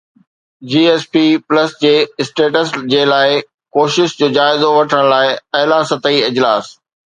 جي S P plus جي status جي لاءِ ڪوششن جو جائزو وٺڻ لاءِ اعليٰ سطحي اجلاس